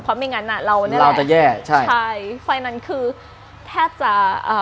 เพราะไม่งั้นอ่ะเราวันนี้เราจะแย่ใช่ใช่ไฟล์นั้นคือแทบจะอ่า